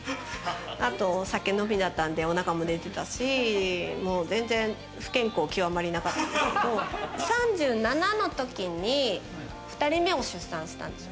あとはお酒飲みなったんで、お腹も出てたし全然不健康極まりなかったけど、３７の時に、２人目を出産したんです。